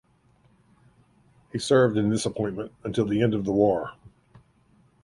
He served in this appointment until the end of the war.